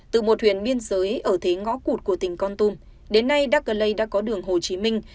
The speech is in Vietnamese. từ một huyền biên giới ở thế ngõ cụt của tỉnh con tôm đến nay đắc lê đã có đường hồ chí minh